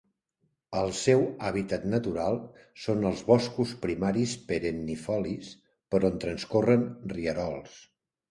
El seu hàbitat natural són els boscos primaris perennifolis per on transcorren rierols.